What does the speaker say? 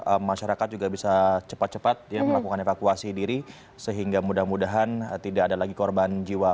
agar masyarakat juga bisa cepat cepat melakukan evakuasi diri sehingga mudah mudahan tidak ada lagi korban jiwa